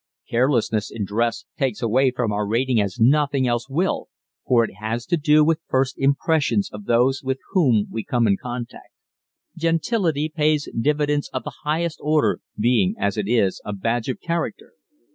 Carelessness in dress takes away from our rating as nothing else will for it has to do with first impressions of those with whom we come in contact. Gentility pays dividends of the highest order, being, as it is, a badge of character.